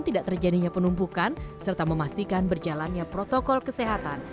tidak terjadinya penumpukan serta memastikan berjalannya protokol kesehatan